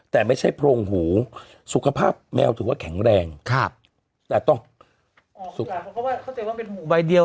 แต่ไม่ใช่โพรงหูสุขภาพแมวถือว่าแข็งแรงครับแต่ต้องอ๋อเขาเจอว่าเป็นหูใบเดียว